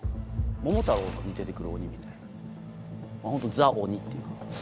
『桃太郎』に出て来る鬼みたいなホントにザ・鬼っていうか。